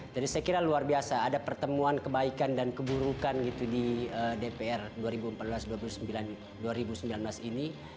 jadi saya kira luar biasa ada pertemuan kebaikan dan keburukan di dpr dua ribu empat belas dua ribu sembilan belas ini